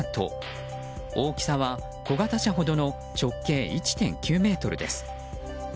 大きさは小型車ほどの直径１．９ｍです。